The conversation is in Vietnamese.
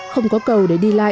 không có cầu để đi lại